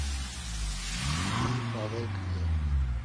Wî bawer kiriye.